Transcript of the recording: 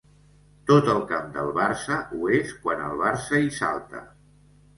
Tot el camp del Barça ho és quan el Barça hi salta.